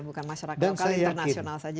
bukan masyarakat lokal internasional saja